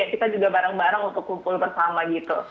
dan juga bareng bareng untuk kumpul bersama gitu